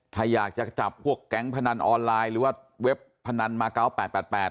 ถ้าอยากจะจับพวกแก๊งพนันออนไลน์หรือว่าเว็บพนันมาเก้าแปดแปดแปด